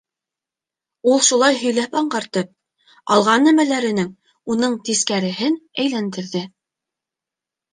— Ул шулай һөйләп аңғартып, алған нәмәләренең уңын-тискәреһен әйләндерҙе.